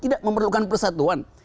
demokrasi tidak memerlukan persatuan